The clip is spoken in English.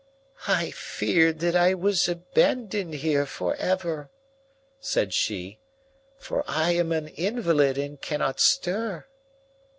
"I feared that I was abandoned here forever," said she, "for I am an invalid and cannot stir."